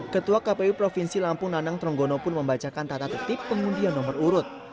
ketua kpu provinsi lampung nanang tronggono pun membacakan tata tertib pengundian nomor urut